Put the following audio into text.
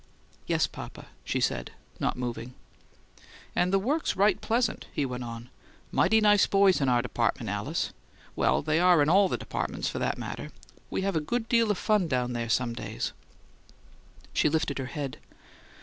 "Yes, papa," she said, not moving. "And the work's right pleasant," he went on. "Mighty nice boys in our department, Alice. Well, they are in all the departments, for that matter. We have a good deal of fun down there some days." She lifted her head.